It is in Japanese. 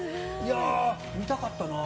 見たかったな。